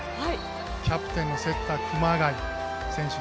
キャプテンのセッター熊谷選手。